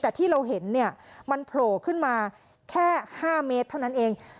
แต่ที่เราเห็นเนี่ยมันโผล่ขึ้นมาแค่๕เมตรเท่านั้นเอง